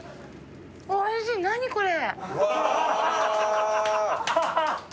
おいしい何これ？